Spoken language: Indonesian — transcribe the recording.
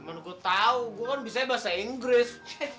gimana gue tau gue kan bisa bahasa inggris